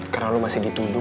karena lo masih dituduh